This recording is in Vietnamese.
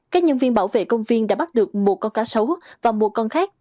các nhân viên bảo vệ công viên đã bắt được một con cá sấu và một con khác